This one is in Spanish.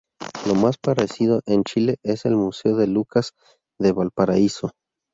Lo más parecido en Chile es el Museo de Lukas de Valparaíso.